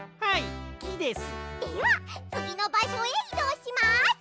はいきです。